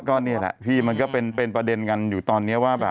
ก็นี่แหละพี่มันก็เป็นประเด็นกันอยู่ตอนนี้ว่าแบบ